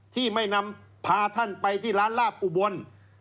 ที่ไม่นำพาท่านไปที่ร้านลาบอุบล